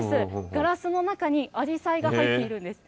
ガラスの中にあじさいが入っているんです。